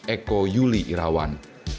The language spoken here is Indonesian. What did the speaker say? eko yuli irawan